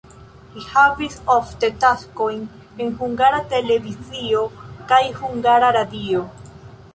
Li havis ofte taskojn en Hungara Televizio kaj Hungara Radio.